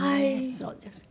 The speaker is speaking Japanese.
そうですか。